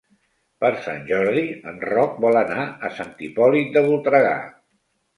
Per Sant Jordi en Roc vol anar a Sant Hipòlit de Voltregà.